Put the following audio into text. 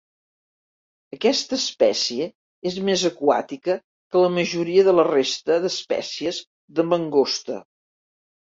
Aquesta espècie és més aquàtica que la majoria de la resta d'espècies de mangosta.